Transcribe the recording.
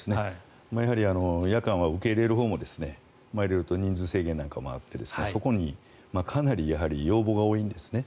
やはり夜間は受け入れるほうも色々と人数制限なんかもあってそこにかなり要望が多いんですね。